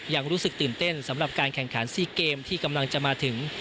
ยังรู้สึกตื่นเต้นสำหรับการแข่งขันซีเกมที่กำลังจะมาถึง